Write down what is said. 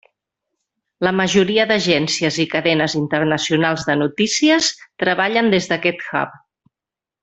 La majoria d'agències i cadenes internacionals de notícies treballen des d'aquest hub.